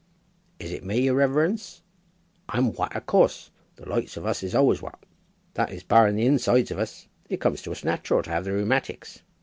"Is it me, yer reverence? I'm wat in course. The loikes of us is always wat, that is barring the insides of us. It comes to us natural to have the rheumatics.